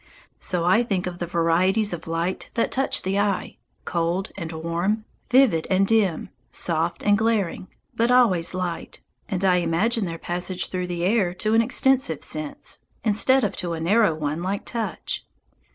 So I think of the varieties of light that touch the eye, cold and warm, vivid and dim, soft and glaring, but always light, and I imagine their passage through the air to an extensive sense, instead of to a narrow one like touch.